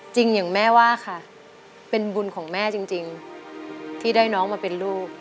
อย่างแม่ว่าค่ะเป็นบุญของแม่จริงที่ได้น้องมาเป็นลูก